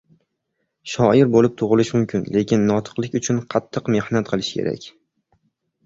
• Shoir bo‘lib tug‘ilish mumkin, lekin notiqlik uchun qattiq mehnat qilish kerak.